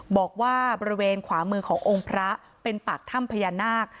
บอกว่าบริเวณขวามือขององค์พระเป็นปากถ้ำพญานาค